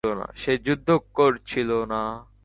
সে যুদ্ধ করছিল না।